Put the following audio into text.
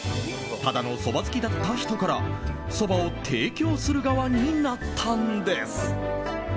ただのそば好きだった人からそばを提供する側になったんです。